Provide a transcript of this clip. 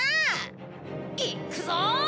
いっくぞ！